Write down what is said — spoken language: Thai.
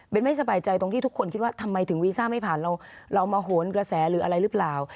ไม่สบายใจตรงที่ทุกคนคิดว่าทำไมถึงวีซ่าไม่ผ่านเรามาโหนกระแสหรืออะไรหรือเปล่า